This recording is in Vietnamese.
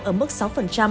ở mức sáu